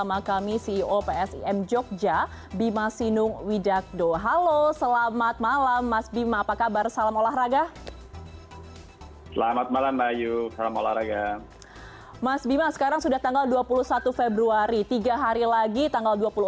mas bima sekarang sudah tanggal dua puluh satu februari tiga hari lagi tanggal dua puluh empat